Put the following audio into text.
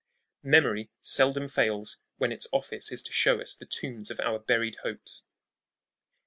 Memory seldom fails when its office is to show us the tombs of our buried hopes.